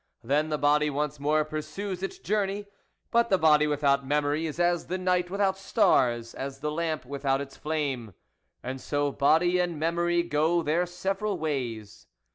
Then the body once more pursues its journey ; but the body without memory is as the night without stars, as the lamp without its flame. .. And so body and memory go their several ways.